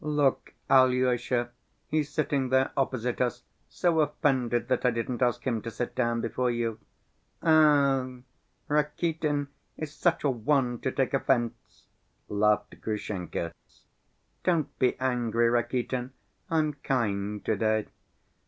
Look, Alyosha, he's sitting there opposite us, so offended that I didn't ask him to sit down before you. Ugh, Rakitin is such a one to take offense!" laughed Grushenka. "Don't be angry, Rakitin, I'm kind to‐day.